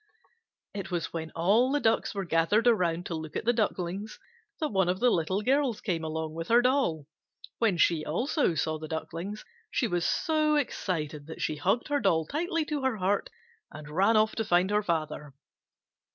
It was when all the Ducks were gathered around to look at the Ducklings that one of the Little Girls came along with her doll. When she also saw the Ducklings, she was so excited that she hugged her doll tightly to her heart and ran off to find her father.